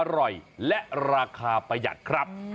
อร่อยและราคาประหยัดครับ